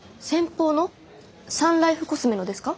サンライフコスメのですか？